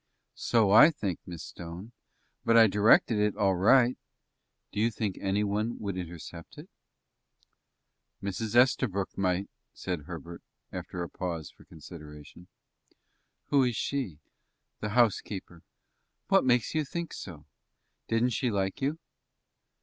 "So I think, Miss Stone; but I directed it all right." "Do you think any one would intercept it?" "Mrs. Estabrook might," said Herbert, after a pause for consideration. "Who is she?" "The housekeeper." "What makes you think so? Didn't she like you?"